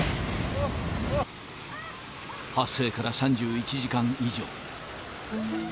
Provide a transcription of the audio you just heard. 発生から３１時間以上。